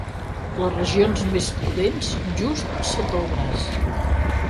Les regions més pudents, just sota el braç.